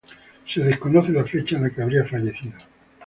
Se desconoce la fecha en la que habría fallecido.